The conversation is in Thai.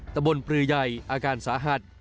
ตะบนปลือใหญ่อาการสาหัส